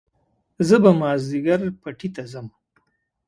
زه به مازيګر پټي ته ځم